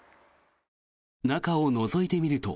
中をのぞいてみると。